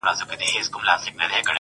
د د سترگو تور دې داسې تور وي_